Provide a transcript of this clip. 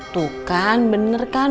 tuh kan bener kan